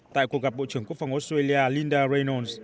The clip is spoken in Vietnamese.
tại cuộc gặp bộ trưởng quốc phòng australia linda raynon